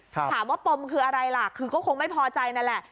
ถามว่าปมคืออะไรล่ะคือก็คงไม่พอใจนั่นแหละ